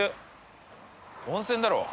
温泉だろ。